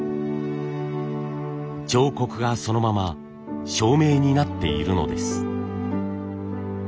彫刻がそのまま照明になっているのです。